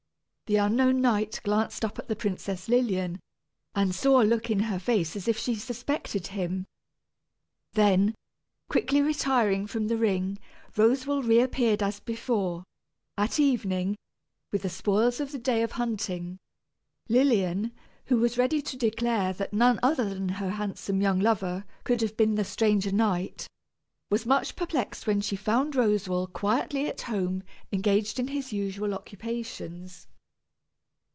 The unknown knight glanced up at the Princess Lilian, and saw a look in her face as if she suspected him. Then, quickly retiring from the ring, Roswal reappeared as before, at evening, with the spoils of the day of hunting. Lilian, who was ready to declare that none other than her handsome young lover could have been the stranger knight, was much perplexed when she found Roswal quietly at home engaged in his usual occupations.